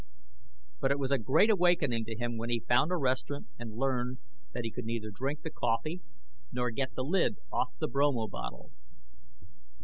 But it was a great awakening to him when he found a restaurant and learned that he could neither drink the coffee nor get the lid off the bromo bottle.